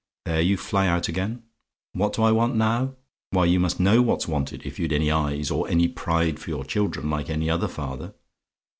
there you fly out again! "WHAT DO I WANT NOW? "Why, you must know what's wanted, if you'd any eyes or any pride for your children, like any other father.